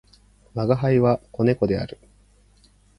吾輩は、子猫である。